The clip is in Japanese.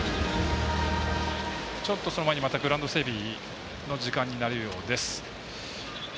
ちょっとその前にまたグラウンド整備の時間になるようです。